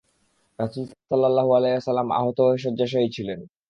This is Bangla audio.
রাসূল সাল্লাল্লাহু আলাইহি ওয়াসাল্লাম আহত হয়ে শয্যাশায়ী ছিলেন।